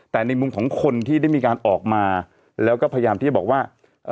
แต่ในมุมของคนที่ได้มีการออกมาแล้วก็พยายามที่จะบอกว่า